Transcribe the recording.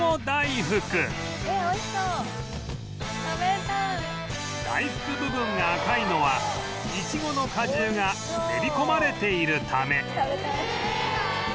大福部分が赤いのはいちごの果汁が練り込まれているため